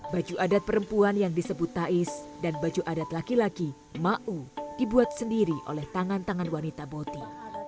baju adat perempuan yang disebut tais dan baju adat laki laki ⁇ mau ⁇ dibuat sendiri oleh tangan tangan wanita boti